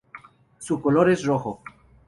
Su color es rojo.